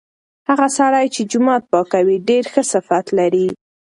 هغه سړی چې جومات پاکوي ډیر ښه صفت لري.